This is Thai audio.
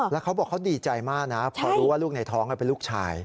แล้วเขาบอกเขาดีใจมากนะพอรู้ว่าลูกในท้องเป็นลูกชาย